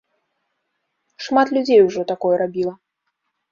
Шмат людзей ужо такое рабіла.